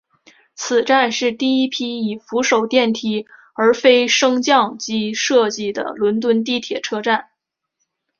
此站是第一批以扶手电梯而非升降机设计的伦敦地铁车站。